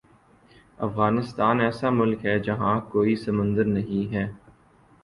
افغانستان ایسا ملک ہے جہاں کوئی سمندر نہیں ہے